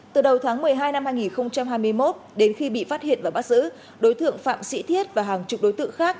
từ đầu tháng một mươi hai năm hai nghìn hai mươi một đến khi bị phát hiện và bắt giữ đối tượng phạm sĩ thiết và hàng chục đối tượng đã bị bắt giữ